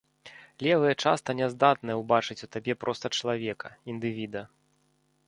Левыя часта няздатныя ўбачыць у табе проста чалавека, індывіда.